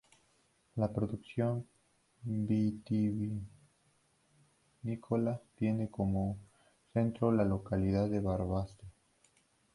La producción vitivinícola tiene como centro la localidad de Barbastro.